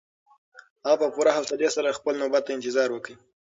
هغه په پوره حوصلي سره خپله نوبت ته انتظار وکړ.